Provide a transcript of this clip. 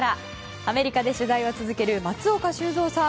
アメリカで取材を続ける松岡修造さん。